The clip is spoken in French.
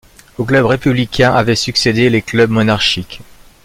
Aux clubs républicains avaient succédé les clubs monarchiques.